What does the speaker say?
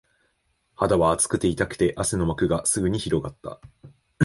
肌は熱くて、痛くて、汗の膜がすぐに広がった